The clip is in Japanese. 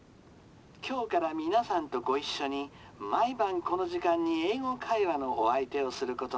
今日から皆さんとご一緒に毎晩この時間に『英語会話』のお相手をすることになりました。